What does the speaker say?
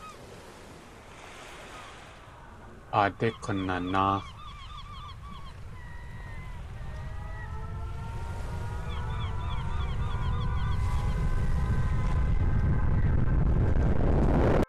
Aadé kunanáa!